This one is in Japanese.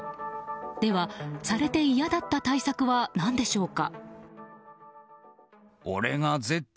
では、されて嫌だった対策は何でしょうか。